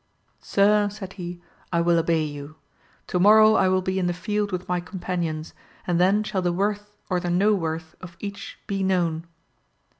Sir, said he, I will obey you ; to morrow I will be in the field with my companions, and then shall the worth or the no worth of each be known.